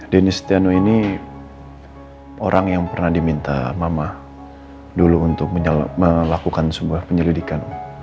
denny stiano ini orang yang pernah diminta mama dulu untuk melakukan sebuah penyelidikan